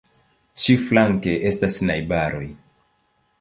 Ĉiuflanke estas najbaroj.